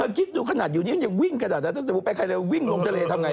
เธอคิดดูขนาดอยู่นี่มันยังวิ่งขนาดนั้นแต่ถ้าสมมุติไปไข่เรือวิ่งลงทะเลทำไง